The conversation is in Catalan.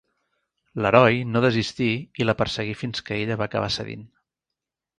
L'heroi no desistí i la perseguí fins que ella va acabar cedint.